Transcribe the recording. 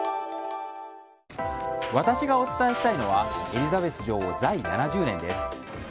私がお伝えしたいのはエリザベス女王在位７０年です。